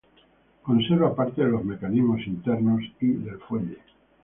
Conserva parte de los mecanismos internos y del fuelle.